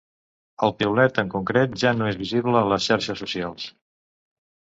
El piulet en concret ja no és visible a les xarxes socials.